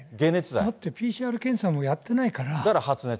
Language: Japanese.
だって、ＰＣＲ検査もやってだから発熱。